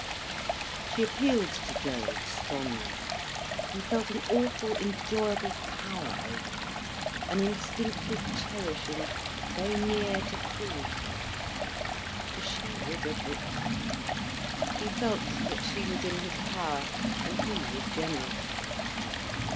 She appealed to Gerald strongly. He felt an awful, enjoyable power over her, an instinctive cherishing very near to cruelty. For she was a victim. He felt that she was in his power, and he was generous.